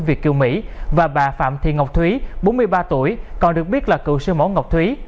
việt kiều mỹ và bà phạm thị ngọc thúy bốn mươi ba tuổi còn được biết là cựu sư mẫu ngọc thúy